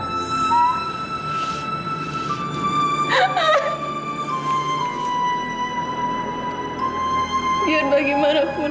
dia bagi manapun